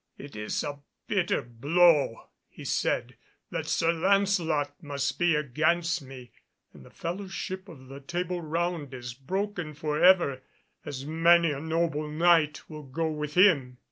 "It is a bitter blow," he said, "that Sir Lancelot must be against me, and the fellowship of the Table Round is broken for ever, as many a noble Knight will go with him.